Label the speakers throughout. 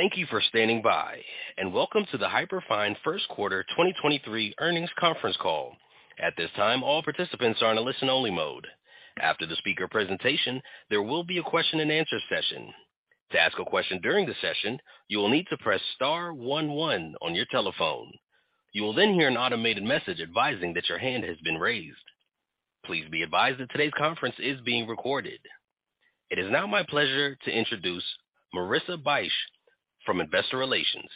Speaker 1: Thank you for standing by, and welcome to the Hyperfine Q1 2023 earnings conference call. At this time, all participants are in a listen-only mode. After the speaker presentation, there will be a question-and-answer session. To ask a question during the session, you will need to press star one, one on your telephone. You will then hear an automated message advising that your hand has been raised. Please be advised that today's conference is being recorded. It is now my pleasure to introduce Marissa Bych from Investor Relations.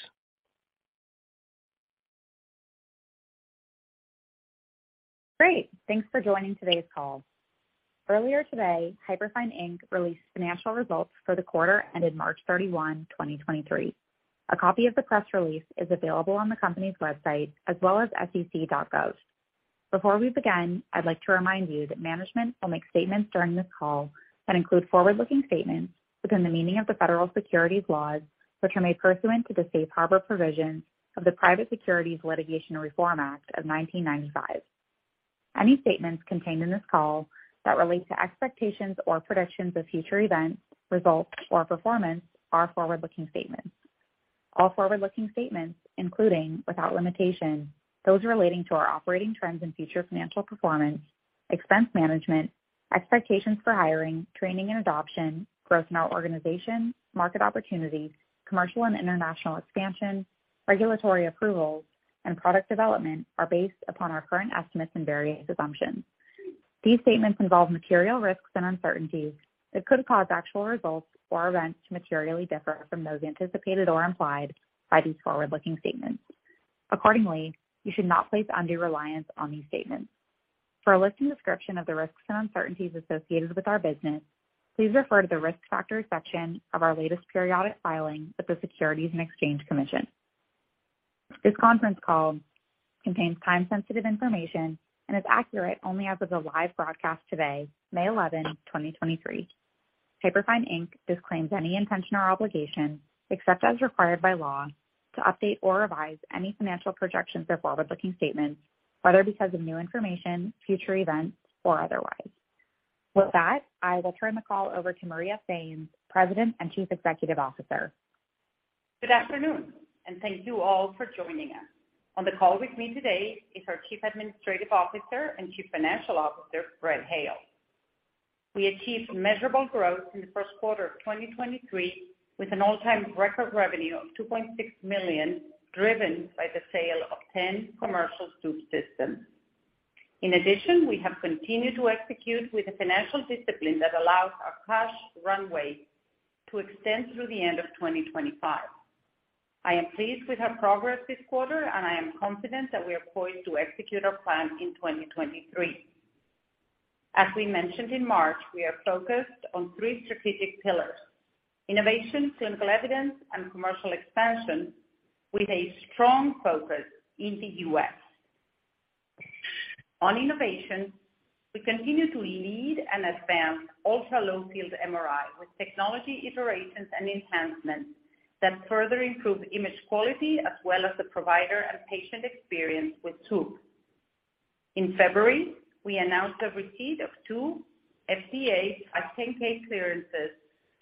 Speaker 2: Great. Thanks for joining today's call. Earlier today, Hyperfine, Inc. released financial results for the quarter ended March 31, 2023. A copy of the press release is available on the company's website as well as sec.gov. Before we begin, I'd like to remind you that management will make statements during this call that include forward-looking statements within the meaning of the federal securities laws, which are made pursuant to the safe harbor provisions of the Private Securities Litigation Reform Act of 1995. Any statements contained in this call that relate to expectations or predictions of future events, results, or performance are forward-looking statements. All forward-looking statements, including, without limitation, those relating to our operating trends and future financial performance, expense management, expectations for hiring, training and adoption, growth in our organization, market opportunities, commercial and international expansion, regulatory approvals, and product development are based upon our current estimates and various assumptions. These statements involve material risks and uncertainties that could cause actual results or events to materially differ from those anticipated or implied by these forward-looking statements. Accordingly, you should not place undue reliance on these statements. For a list and description of the risks and uncertainties associated with our business, please refer to the Risk Factors section of our latest periodic filing with the Securities and Exchange Commission. This conference call contains time-sensitive information and is accurate only as of the live broadcast today, May eleven, twenty twenty-three. Hyperfine Inc. disclaims any intention or obligation, except as required by law, to update or revise any financial projections or forward-looking statements, whether because of new information, future events, or otherwise. With that, I will turn the call over to Maria Sainz, President and Chief Executive Officer.
Speaker 3: Good afternoon, and thank you all for joining us. On the call with me today is our Chief Administrative Officer and Chief Financial Officer, Brett Hale. We achieved measurable growth in the Q1 of 2023 with an all-time record revenue of $2.6 million, driven by the sale of 10 commercial Swoop systems. In addition, we have continued to execute with a financial discipline that allows our cash runway to extend through the end of 2025. I am pleased with our progress this quarter, and I am confident that we are poised to execute our plan in 2023. As we mentioned in March, we are focused on three strategic pillars: innovation, clinical evidence, and commercial expansion, with a strong focus in the U.S. On innovation, we continue to lead and advance ultra-low field MRI with technology iterations and enhancements that further improve image quality as well as the provider and patient experience with Swoop. In February, we announced the receipt of two FDA 510(k) clearances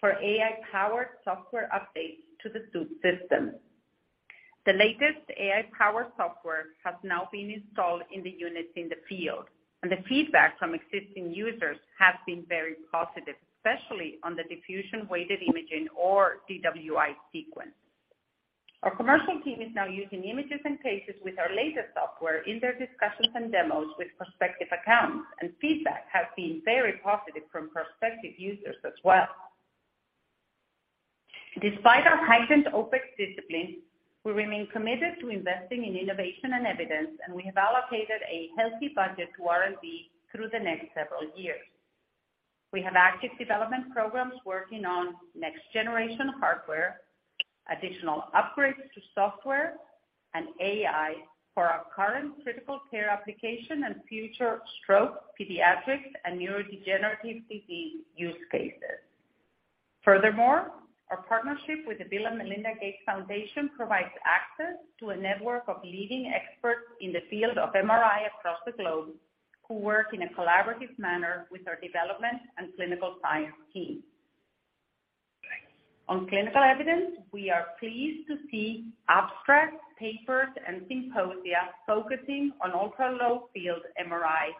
Speaker 3: for AI-powered software updates to the Swoop system. The latest AI-powered software has now been installed in the units in the field, and the feedback from existing users has been very positive, especially on the diffusion-weighted imaging or DWI sequence. Our commercial team is now using images and cases with our latest software in their discussions and demos with prospective accounts, and feedback has been very positive from prospective users as well. Despite our heightened OpEx discipline, we remain committed to investing in innovation and evidence, and we have allocated a healthy budget to R&D through the next several years. We have active development programs working on next-generation hardware, additional upgrades to software and AI for our current critical care application and future stroke, pediatrics, and neurodegenerative disease use cases. Our partnership with the Bill & Melinda Gates Foundation provides access to a network of leading experts in the field of MRI across the globe, who work in a collaborative manner with our development and clinical science team. On clinical evidence, we are pleased to see abstract papers and symposia focusing on ultra-low field MRI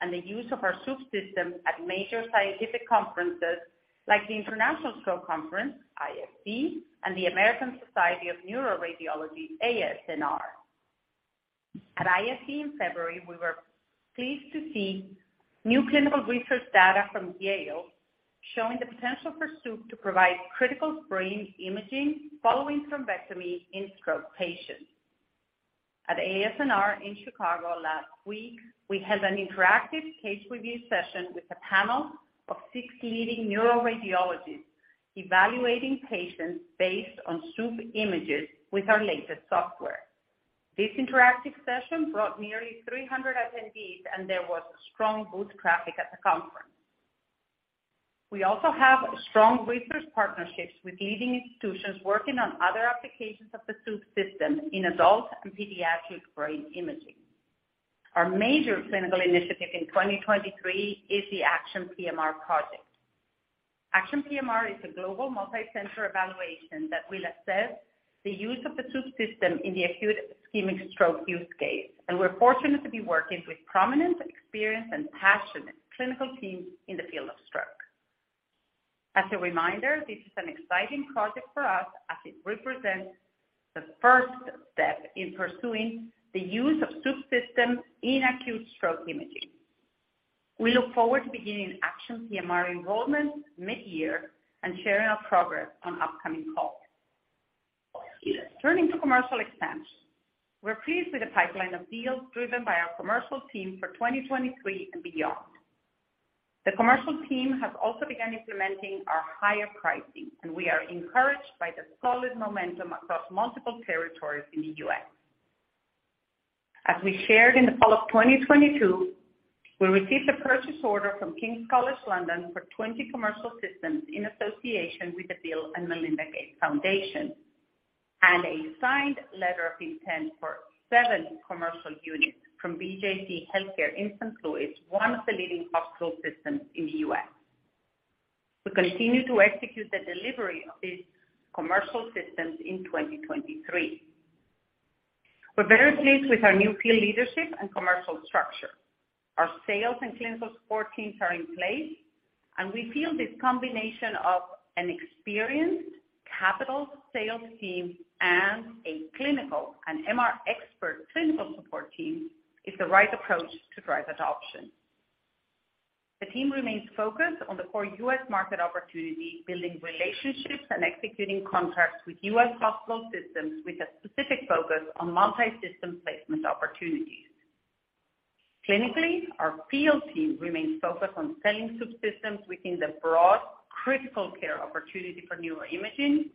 Speaker 3: and the use of our Swoop system at major scientific conferences like the International Stroke Conference, ISC, and the American Society of Neuroradiology, ASNR. At ISC in February, we were pleased to see new clinical research data from Yale showing the potential for Swoop to provide critical brain imaging following thrombectomy in stroke patients. At ASNR in Chicago last week, we held an interactive case review session with a panel of six leading neuroradiologists evaluating patients based on Swoop images with our latest software. This interactive session brought nearly 300 attendees. There was strong booth traffic at the conference. We also have strong research partnerships with leading institutions working on other applications of the Swoop system in adult and pediatric brain imaging. Our major clinical initiative in 2023 is the ACTION PMR project. ACTION PMR is a global multicenter evaluation that will assess the use of the Swoop system in the acute ischemic stroke use case. We're fortunate to be working with prominent, experienced, and passionate clinical teams in the field of stroke. As a reminder, this is an exciting project for us as it represents the first step in pursuing the use of Swoop systems in acute stroke imaging. We look forward to beginning ACTION PMR enrollment mid-year and sharing our progress on upcoming calls. Turning to commercial expense. We're pleased with the pipeline of deals driven by our commercial team for 2023 and beyond. The commercial team has also begun implementing our higher pricing, and we are encouraged by the solid momentum across multiple territories in the US. As we shared in the fall of 2022, we received a purchase order from King's College London for 20 commercial systems in association with the Bill and Melinda Gates Foundation, and a signed letter of intent for seven commercial units from BJC HealthCare in St. Louis, one of the leading hospital systems in the US. We continue to execute the delivery of these commercial systems in 2023. We're very pleased with our new field leadership and commercial structure. Our sales and clinical support teams are in place, and we feel this combination of an experienced capital sales team and a clinical and MR expert clinical support team is the right approach to drive adoption. The team remains focused on the core U.S. market opportunity, building relationships and executing contracts with U.S. hospital systems with a specific focus on multi-system placement opportunities. Clinically, our field team remains focused on selling Swoop systems within the broad critical care opportunity for neuroimaging,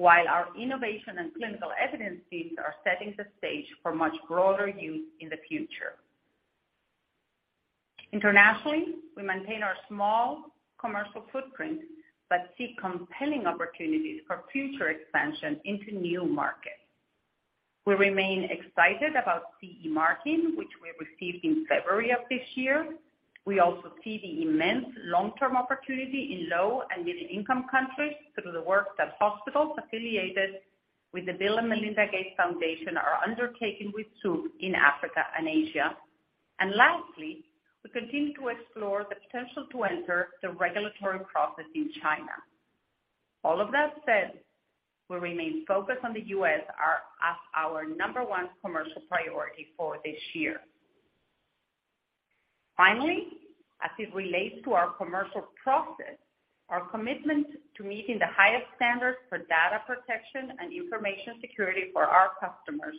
Speaker 3: while our innovation and clinical evidence teams are setting the stage for much broader use in the future. Internationally, we maintain our small commercial footprint, but see compelling opportunities for future expansion into new markets. We remain excited about CE marking, which we received in February of this year. We also see the immense long-term opportunity in low- and middle-income countries through the work that hospitals affiliated with the Bill & Melinda Gates Foundation are undertaking with Swoop in Africa and Asia. Lastly, we continue to explore the potential to enter the regulatory process in China. All of that said, we remain focused on the U.S. as our number one commercial priority for this year. Finally, as it relates to our commercial process, our commitment to meeting the highest standards for data protection and information security for our customers,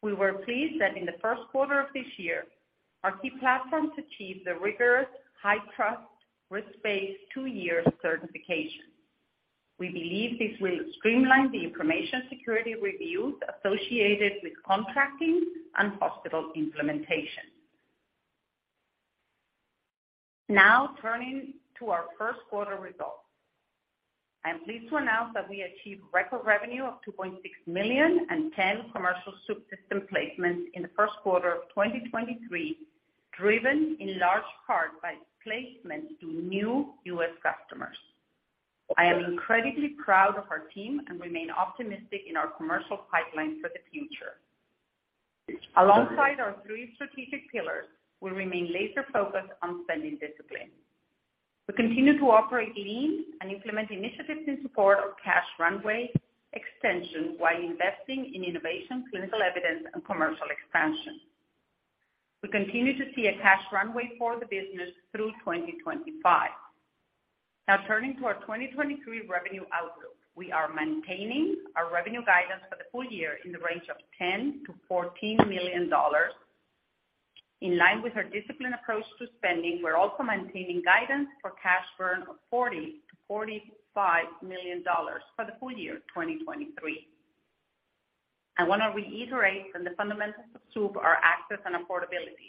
Speaker 3: we were pleased that in the Q1 of this year, our key platforms achieved the rigorous HITRUST risk-based, two-year certification. We believe this will streamline the information security reviews associated with contracting and hospital implementation. Turning to our Q1 results. I am pleased to announce that we achieved record revenue of $2.6 million and 10 commercial Swoop system placements in the Q1 of 2023, driven in large part by placements to new U.S. customers. I am incredibly proud of our team and remain optimistic in our commercial pipeline for the future. Alongside our three strategic pillars, we remain laser-focused on spending discipline. We continue to operate lean and implement initiatives in support of cash runway extension while investing in innovation, clinical evidence and commercial expansion. We continue to see a cash runway for the business through 2025. Now turning to our 2023 revenue outlook. We are maintaining our revenue guidance for the full year in the range of $10 million-$14 million. In line with our disciplined approach to spending, we're also maintaining guidance for cash burn of $40 -$45 million for the full year 2023. I want to reiterate that the fundamentals of Swoop are access and affordability.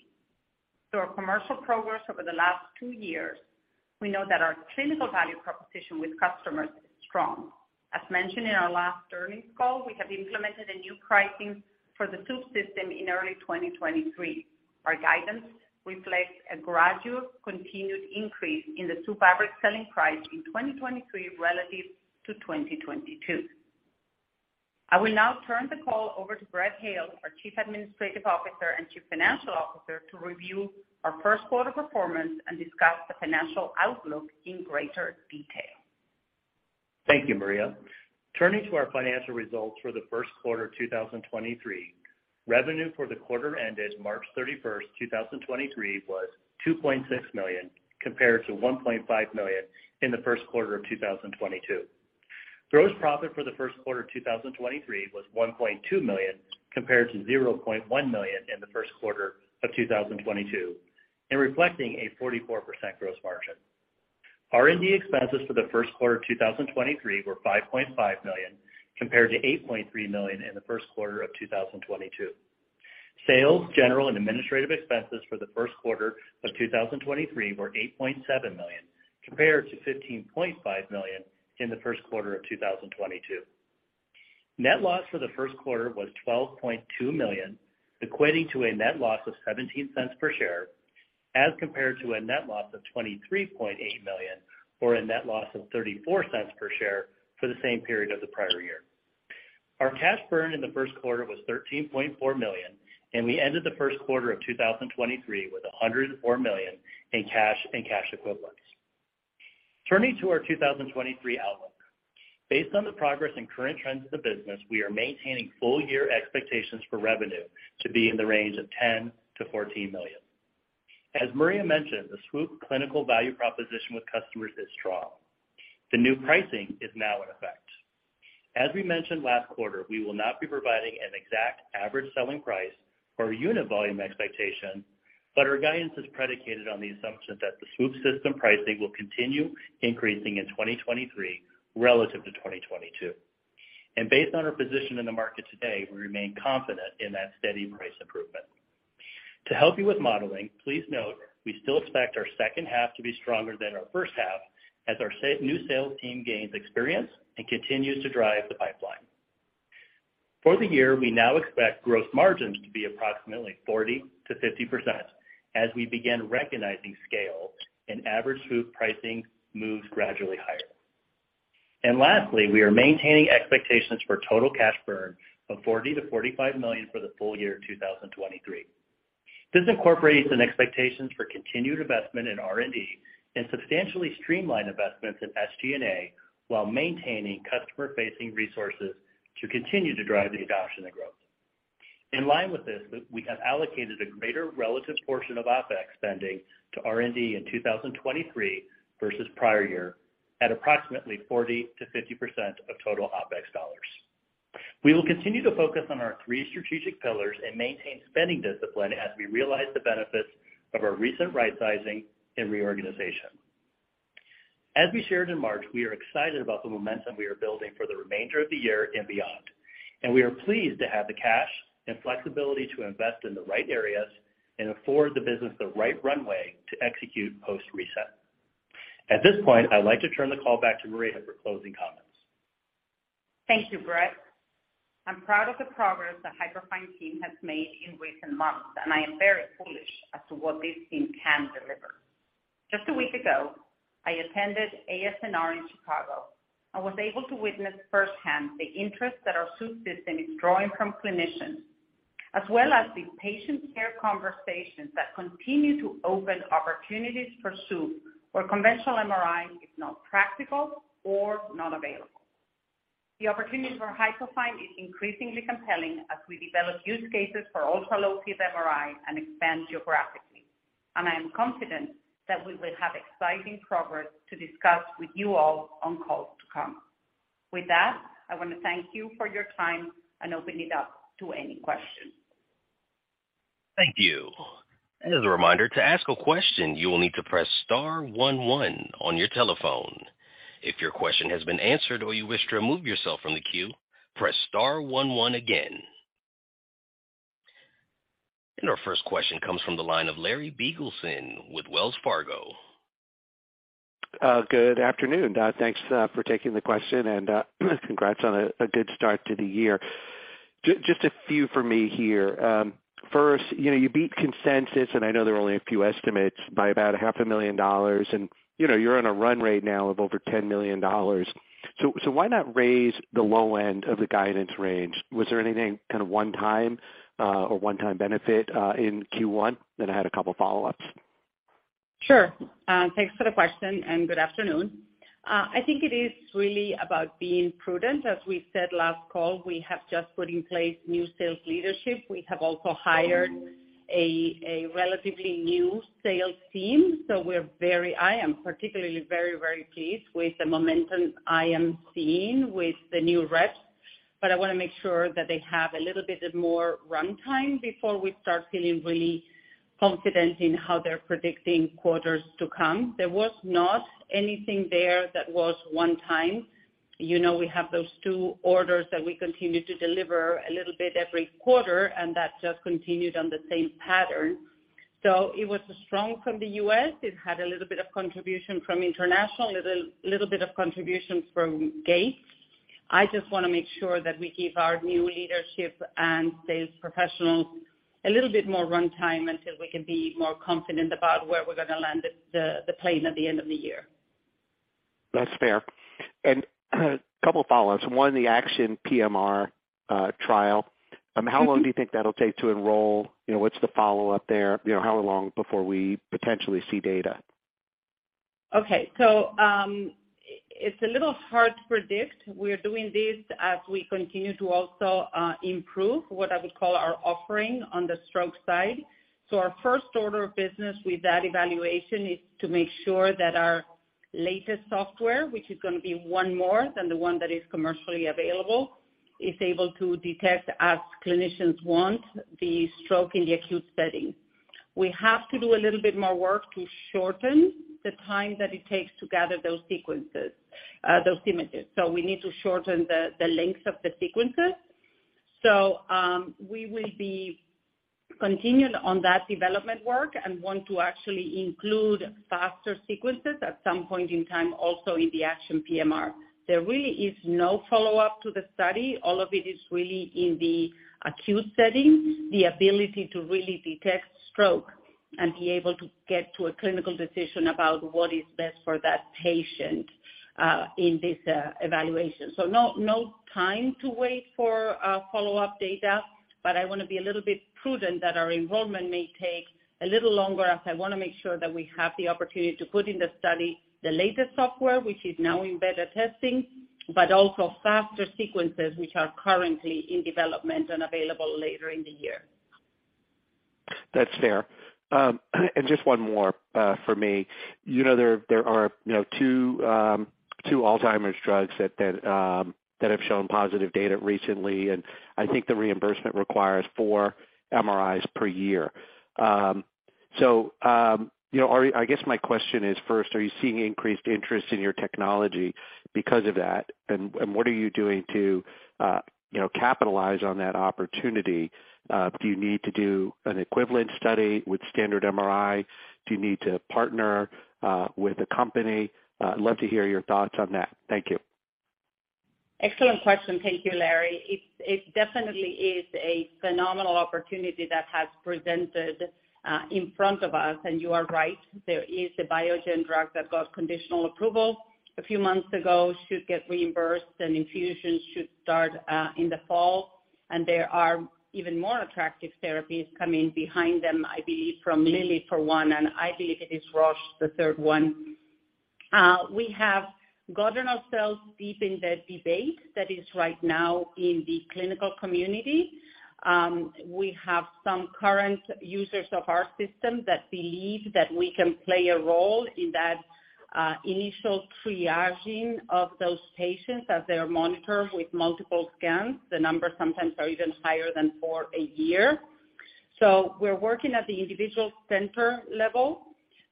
Speaker 3: Through our commercial progress over the last two years, we know that our clinical value proposition with customers is strong. As mentioned in our last earnings call, we have implemented a new pricing for the Swoop system in early 2023. Our guidance reflects a gradual continued increase in the Swoop average selling price in 2023 relative to 2022. I will now turn the call over to Brett Hale, our Chief Administrative Officer and Chief Financial Officer, to review our Q1 performance and discuss the financial outlook in greater detail.
Speaker 4: Thank you, Maria. Turning to our financial results for the Q1 2023, revenue for the quarter ended March 31st, 2023, was $2.6 million, compared to $1.5 million in the Q1 of 2022. Gross profit for the Q1 2023 was $1.2 million, compared to $0.1 million in the Q1 of 2022, and reflecting a 44% gross margin. R&D expenses for the Q1 of 2023 were $5.5 million, compared to $8.3 million in the Q1 of 2022. Sales, general and administrative expenses for the Q1 of 2023 were $8.7 million, compared to $15.5 million in the Q1 of 2022. Net loss for the Q1 was $12.2 million, equating to a net loss of $0.17 per share, as compared to a net loss of $23.8 million or a net loss of $0.34 per share for the same period of the prior year. Our cash burn in the Q1 was $13.4 million, and we ended the Q1 of 2023 with $100 million in cash and cash equivalents. Turning to our 2023 outlook. Based on the progress and current trends of the business, we are maintaining full-year expectations for revenue to be in the range of $10-$14 million. As Maria mentioned, the Swoop clinical value proposition with customers is strong. The new pricing is now in effect. As we mentioned last quarter, we will not be providing an exact average selling price for unit volume expectation, but our guidance is predicated on the assumption that the Swoop system pricing will continue increasing in 2023 relative to 2022. Based on our position in the market today, we remain confident in that steady price improvement. To help you with modeling, please note we still expect our second half to be stronger than our first half as our new sales team gains experience and continues to drive the pipeline. For the year, we now expect gross margins to be approximately 40%-50% as we begin recognizing scale and average Swoop pricing moves gradually higher. Lastly, we are maintaining expectations for total cash burn of $40 -$45 million for the full year 2023. This incorporates an expectation for continued investment in R&D and substantially streamlined investments in SG&A, while maintaining customer-facing resources to continue to drive the adoption and growth. In line with this, we have allocated a greater relative portion of OpEx spending to R&D in 2023 versus prior year at approximately 40%-50% of total OpEx dollars. We will continue to focus on our three strategic pillars and maintain spending discipline as we realize the benefits of our recent rightsizing and reorganization. As we shared in March, we are excited about the momentum we are building for the remainder of the year and beyond, and we are pleased to have the cash and flexibility to invest in the right areas and afford the business the right runway to execute post-reset. At this point, I'd like to turn the call back to Maria for closing comments.
Speaker 3: Thank you, Brett. I'm proud of the progress the Hyperfine team has made in recent months, and I am very bullish as to what this team can deliver. Just a week ago, I attended ASNR in Chicago and was able to witness firsthand the interest that our Swoop system is drawing from clinicians, as well as the patient care conversations that continue to open opportunities for Swoop, where conventional MRI is not practical or not available. The opportunity for Hyperfine is increasingly compelling as we develop use cases for ultra-low field MRI and expand geographically. I am confident that we will have exciting progress to discuss with you all on calls to come. With that, I wanna thank you for your time and open it up to any questions.
Speaker 1: Thank you. As a reminder, to ask a question, you will need to press star 1 1 on your telephone. If your question has been answered or you wish to remove yourself from the queue, press star 1 1 again. Our first question comes from the line of Larry Biegelsen with Wells Fargo.
Speaker 5: Good afternoon. Thanks for taking the question, and congrats on a good start to the year. Just a few for me here. First, you know, you beat consensus, and I know there are only a few estimates by about half a million dollars. You know, you're on a run rate now of over $10 million. Why not raise the low end of the guidance range? Was there anything kind of one-time or one-time benefit in Q1? I had a couple follow-ups.
Speaker 3: Sure. Thanks for the question, good afternoon. I think it is really about being prudent. As we said last call, we have just put in place new sales leadership. We have also hired a relatively new sales team. I am particularly very pleased with the momentum I am seeing with the new reps, but I wanna make sure that they have a little bit of more runtime before we start feeling really confident in how they're predicting quarters to come. There was not anything there that was one time. You know, we have those two orders that we continue to deliver a little bit every quarter, that just continued on the same pattern. It was strong from the U.S. It had a little bit of contribution from international, little bit of contribution from Gates. I just wanna make sure that we give our new leadership and sales professionals a little bit more runtime until we can be more confident about where we're gonna land the plane at the end of the year.
Speaker 5: That's fair. Couple follow-ups. One, the ACTION PMR trial. How long do you think that'll take to enroll? You know, what's the follow-up there? You know, how long before we potentially see data?
Speaker 3: It's a little hard to predict. We're doing this as we continue to also improve what I would call our offering on the stroke side. Our first order of business with that evaluation is to make sure that our latest software, which is gonna be one more than the one that is commercially available, is able to detect, as clinicians want, the stroke in the acute setting. We have to do a little bit more work to shorten the time that it takes to gather those sequences, those images. We need to shorten the length of the sequences. We will be continued on that development work and want to actually include faster sequences at some point in time, also in the ACTION PMR. There really is no follow-up to the study. All of it is really in the acute setting, the ability to really detect stroke and be able to get to a clinical decision about what is best for that patient in this evaluation. No, no time to wait for follow-up data, but I wanna be a little bit prudent that our involvement may take a little longer, as I wanna make sure that we have the opportunity to put in the study the latest software, which is now in beta testing, but also faster sequences which are currently in development and available later in the year.
Speaker 5: That's fair. Just one more for me. You know there are, you know, two Alzheimer's drugs that have shown positive data recently, and I think the reimbursement requires four MRIs per year. I guess my question is, first, are you seeing increased interest in your technology because of that? What are you doing to, you know, capitalize on that opportunity? Do you need to do an equivalent study with standard MRI? Do you need to partner with a company? I'd love to hear your thoughts on that. Thank you.
Speaker 3: Excellent question. Thank you, Larry. It definitely is a phenomenal opportunity that has presented in front of us. You are right, there is a Biogen drug that got conditional approval a few months ago, should get reimbursed, and infusions should start in the fall. There are even more attractive therapies coming behind them, I believe from Lilly for one, and I believe it is Roche, the third one. We have gotten ourselves deep in the debate that is right now in the clinical community. We have some current users of our system that believe that we can play a role in that initial triaging of those patients as they are monitored with multiple scans. The numbers sometimes are even higher than for a year. We're working at the individual center level.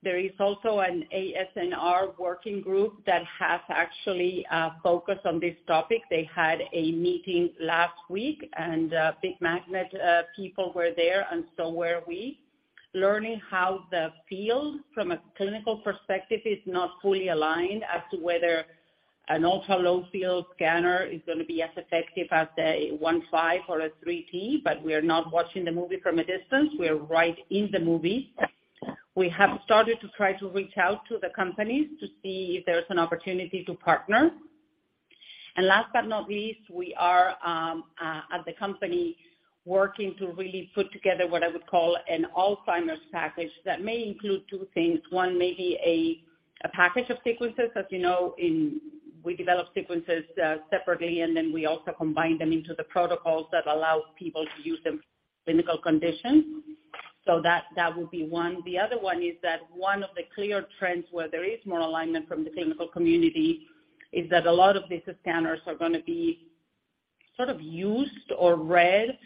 Speaker 3: There is also an ASNR working group that has actually focused on this topic. They had a meeting last week and big magnet people were there and so were we, learning how the field from a clinical perspective is not fully aligned as to whether an ultra-low field scanner is gonna be as effective as a 1.5T or a 3T, but we are not watching the movie from a distance. We are right in the movie. We have started to try to reach out to the companies to see if there's an opportunity to partner. Last but not least, we are as a company working to really put together what I would call an Alzheimer's package that may include two things. One may be a package of sequences. As you know, in... We develop sequences separately, and then we also combine them into the protocols that allow people to use them clinical conditions. That would be one. The other one is that one of the clear trends where there is more alignment from the clinical community is that a lot of these scanners are gonna be sort of used or read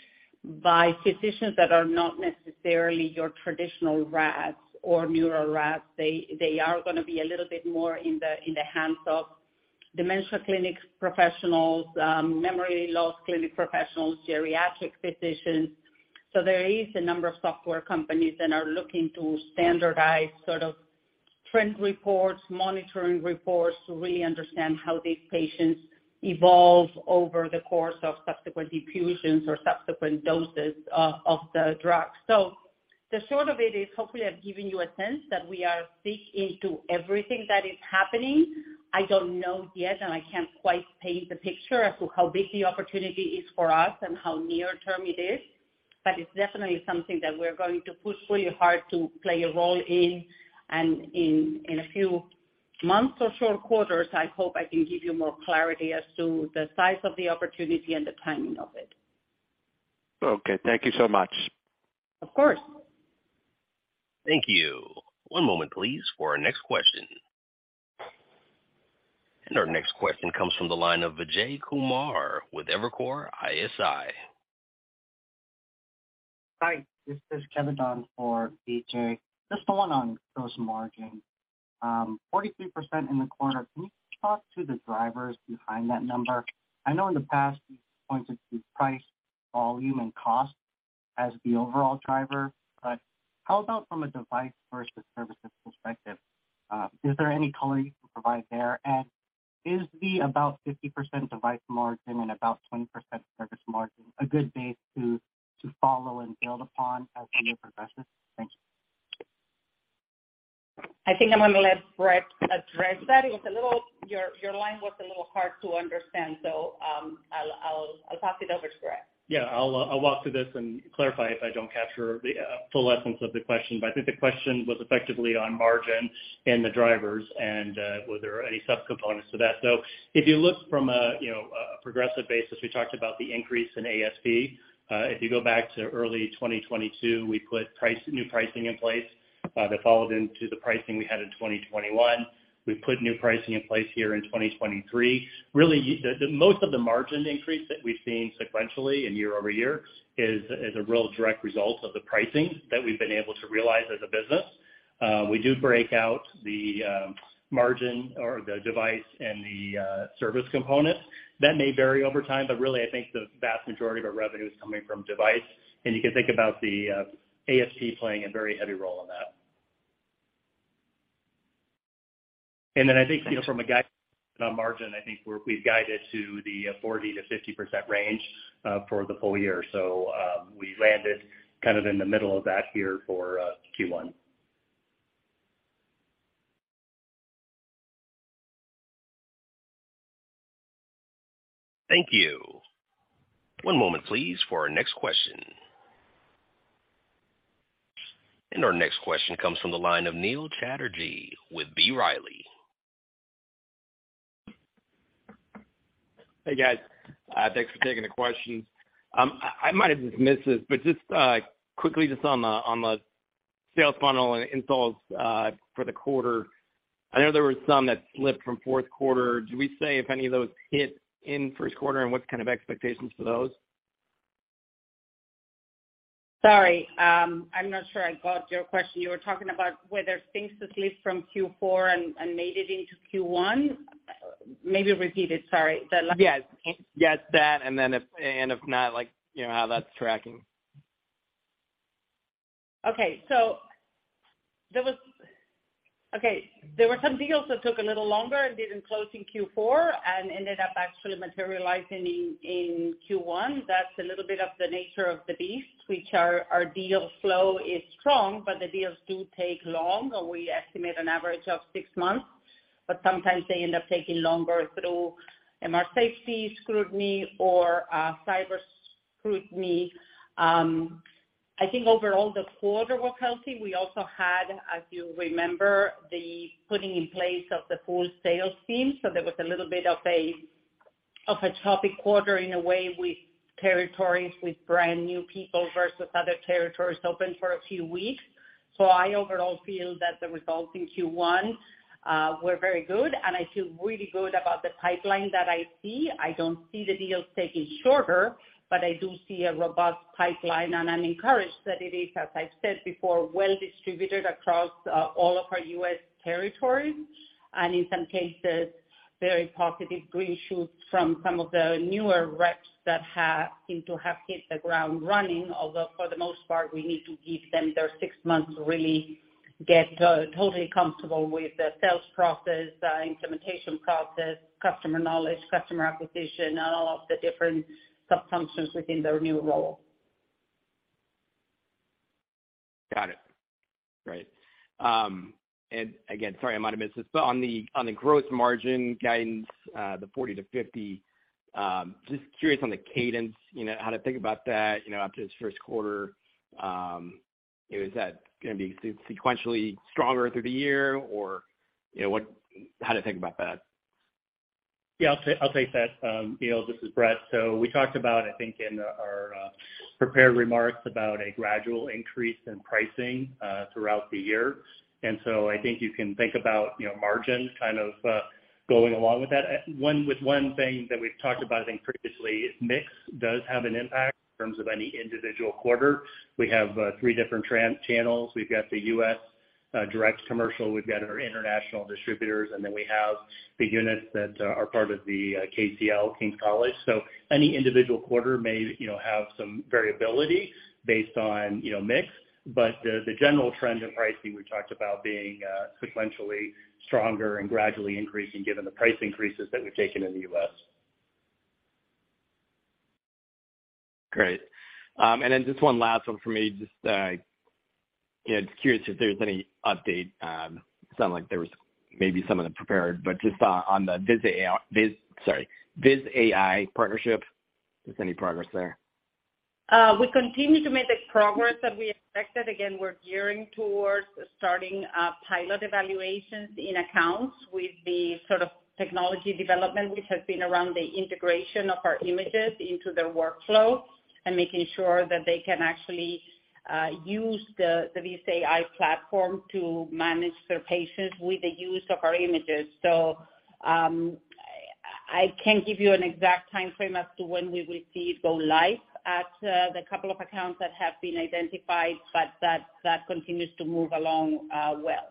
Speaker 3: by physicians that are not necessarily your traditional rads or neural rads. They are gonna be a little bit more in the hands of dementia clinic professionals, memory loss clinic professionals, geriatric physicians. There is a number of software companies that are looking to standardize sort of trend reports, monitoring reports to really understand how these patients evolve over the course of subsequent diffusions or subsequent doses of the drug. The short of it is, hopefully, I've given you a sense that we are deep into everything that is happening. I don't know yet, and I can't quite paint the picture as to how big the opportunity is for us and how near-term it is, but it's definitely something that we're going to push really hard to play a role in. In a few months or short quarters, I hope I can give you more clarity as to the size of the opportunity and the timing of it.
Speaker 5: Okay. Thank you so much.
Speaker 3: Of course.
Speaker 1: Thank you. One moment please for our next question. Our next question comes from the line of Vijay Kumar with Evercore ISI.
Speaker 6: Hi, this is Kevin Tang for Vijay. Just a one on gross margin. 43% in the quarter. Can you talk to the drivers behind that number? I know in the past you pointed to price, volume and cost as the overall driver, but how about from a device versus services perspective? Is there any color you can provide there? Is the about 50% device margin and about 20% service margin a good base to follow and build upon as the year progresses? Thanks.
Speaker 3: I think I'm going to let Brett Hale address that. Your line was a little hard to understand. I'll pass it over to Brett Hale.
Speaker 4: Yeah. I'll walk through this and clarify if I don't capture the full essence of the question, but I think the question was effectively on margin and the drivers and were there any subcomponents to that. If you look from a, you know, a progressive basis, we talked about the increase in ASP. If you go back to early 2022, we put price, new pricing in place, that followed into the pricing we had in 2021. We put new pricing in place here in 2023. Really the most of the margin increase that we've seen sequentially and year-over-year is a real direct result of the pricing that we've been able to realize as a business. We do break out the margin or the device and the service component. That may vary over time, but really, I think the vast majority of our revenue is coming from device. You can think about the ASP playing a very heavy role in that. Then I think, you know, from a guide on margin, I think we're, we've guided to the 40%-50% range for the full year. We landed kind of in the middle of that year for Q1.
Speaker 1: Thank you. One moment, please, for our next question. Our next question comes from the line of Neil Chatterjee with B. Riley.
Speaker 7: Hey, guys. Thanks for taking the questions. I might have missed this, but just quickly just on the, on the sales funnel and installs for the quarter. I know there were some that slipped from fourth quarter. Do we say if any of those hit in Q1 and what's kind of expectations for those?
Speaker 3: Sorry, I'm not sure I got your question. You were talking about whether things slipped from Q4 and made it into Q1. Maybe repeat it. Sorry. The last.
Speaker 7: Yes. Yes, that, and then if, and if not, like, you know how that's tracking.
Speaker 3: There were some deals that took a little longer and didn't close in Q4 and ended up actually materializing in Q1. That's a little bit of the nature of the beast, which our deal flow is strong, but the deals do take long. We estimate an average of six months, but sometimes they end up taking longer through MR Safety scrutiny or cyber scrutiny. I think overall, the quarter was healthy. We also had, as you remember, the putting in place of the full sales team. There was a little bit of a choppy quarter in a way with territories, with brand new people versus other territories open for a few weeks. I overall feel that the results in Q1 were very good. I feel really good about the pipeline that I see. I don't see the deals taking shorter, but I do see a robust pipeline, and I'm encouraged that it is, as I've said before, well-distributed across, all of our U.S. territories, and in some cases, very positive green shoots from some of the newer reps that have seem to have hit the ground running. Although for the most part, we need to give them their six months to really get totally comfortable with the sales process, implementation process, customer knowledge, customer acquisition, and all of the different subfunctions within their new role.
Speaker 7: Got it. Great. Again, sorry, I might have missed this. On the gross margin guidance, the 40% to 50%, just curious on the cadence, you know, how to think about that, you know, after this Q1. Is that gonna be sequentially stronger through the year? Or, you know, what? How to think about that?
Speaker 4: Yeah. I'll take that. Neil, this is Brett Hale. We talked about, I think, in our prepared remarks about a gradual increase in pricing throughout the year. I think you can think about, you know, margins kind of going along with that. With one thing that we've talked about, I think previously, mix does have an impact in terms of any individual quarter. We have three different channels. We've got the U.S. direct commercial, we've got our international distributors, and then we have the units that are part of the KCL, King's College. Any individual quarter may, you know, have some variability based on, you know, mix. The general trend in pricing, we've talked about being sequentially stronger and gradually increasing given the price increases that we've taken in the U.S.
Speaker 7: Great. Then just one last one for me. Just, you know, just curious if there's any update. Sound like there was maybe some in the prepared, just on the Viz.ai partnership, if there's any progress there.
Speaker 3: We continue to make the progress that we expected. Again, we're gearing towards starting pilot evaluations in accounts with the sort of technology development, which has been around the integration of our images into their workflow and making sure that they can actually use the Viz.ai platform to manage their patients with the use of our images. I can't give you an exact timeframe as to when we will see it go live at the couple of accounts that have been identified, but that continues to move along well.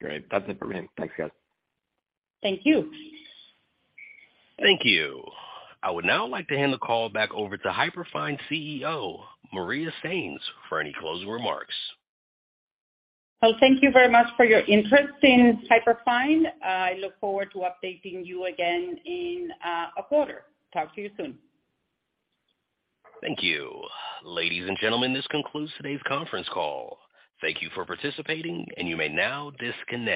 Speaker 7: Great. That's it for me. Thanks, guys.
Speaker 3: Thank you.
Speaker 1: Thank you. I would now like to hand the call back over to Hyperfine CEO, Maria Sainz, for any closing remarks.
Speaker 3: Well, thank you very much for your interest in Hyperfine. I look forward to updating you again in a quarter. Talk to you soon.
Speaker 1: Thank you. Ladies and gentlemen, this concludes today's conference call. Thank you for participating, and you may now disconnect.